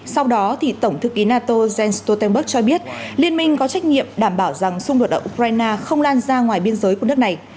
sau đó tổng thư ký nato jens stoltenberg cho biết liên minh có trách nhiệm đảm bảo rằng xung đột ở ukraine không lan ra ngoài biên giới của nước này